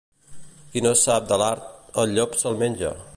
Qui no sap de l'art, el llop se'l menja.